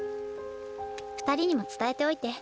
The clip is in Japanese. ２人にも伝えておいて。